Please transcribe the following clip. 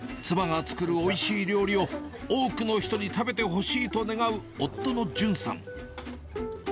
妻が作るおいしい料理を多くの人に食べてほしいと願う夫の隼さん。